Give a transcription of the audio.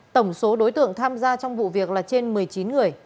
tổng số đối tượng tham gia trong vụ việc là trên một mươi chín người